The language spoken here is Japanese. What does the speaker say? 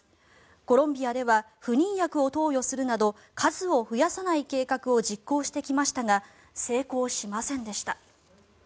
コロンビアでは不妊薬を投与するなど数を増やさない計画を実行してきましたが成功しませんでした。